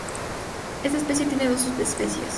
Esta especie tiene dos subespecies.